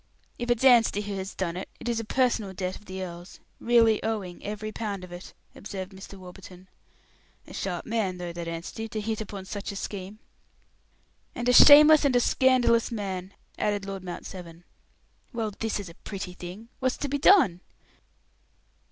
"If it's Anstey who has done it it is a personal debt of the earl's, really owing, every pound of it," observed Mr. Warburton. "A sharp man, though, that Anstey, to hit upon such a scheme." "And a shameless and a scandalous man," added Lord Mount Severn. "Well, this is a pretty thing. What's to be done?"